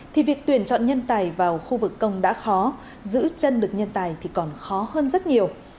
thì việc tuyển chọn nhân tài vào khu vực công đã khó giữ chân được nhân tài thì còn khó hơn rất nhiều